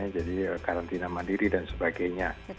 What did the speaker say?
jadi karantina mandiri dan sebagainya